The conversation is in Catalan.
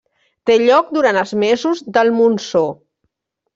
Té lloc durant els mesos del monsó.